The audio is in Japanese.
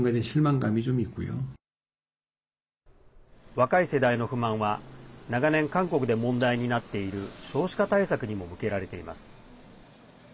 若い世代の不満は長年、韓国で問題になっている少子化対策にも向けられています。